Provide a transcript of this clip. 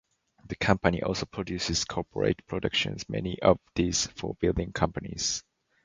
The company also produces corporate productions many of these for building companies.